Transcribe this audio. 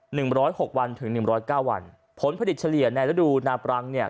หนึ่งร้อยหกวันถึงหนึ่งร้อยเก้าวันผลผลิตเฉลี่ยในฤดูนาปรังเนี่ย